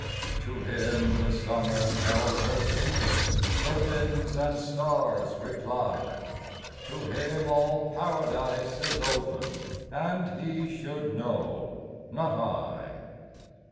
To him the summer tells her secrets, — The winds and stars reply ; To him all Paradise is open, And he should know — not I.